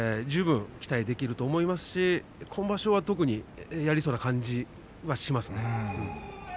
十分期待できると思いますし今場所は特にやりそうな感じはしますね。